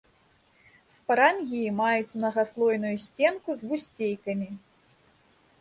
Спарангіі маюць мнагаслойную сценку з вусцейкамі.